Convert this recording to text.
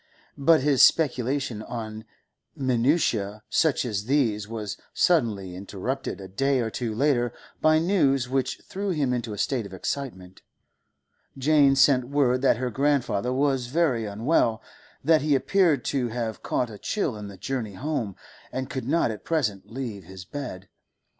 But his speculation on minutiae such as these was suddenly interrupted a day or two later by news which threw him into a state of excitement; Jane sent word that her grandfather was very unwell, that he appeared to have caught a chill in the journey home, and could not at present leave his bed.